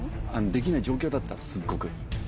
できない状況だったすっごく。